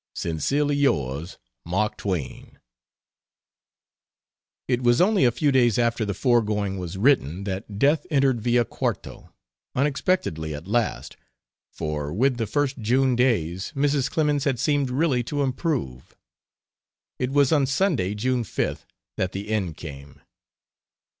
Sincerely yours, MARK TWAIN It was only a few days after the foregoing was written that death entered Villa Quarto unexpectedly at last for with the first June days Mrs. Clemens had seemed really to improve. It was on Sunday, June 5th, that the end came.